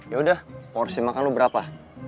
yaudah porsi makan lo berapa